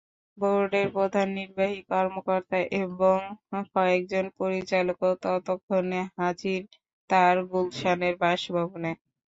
বোর্ডের প্রধান নির্বাহী কর্মকর্তা এবং কয়েকজন পরিচালকও ততক্ষণে হাজির তাঁর গুলশানের বাসভবনে।